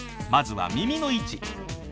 まずは耳の位置。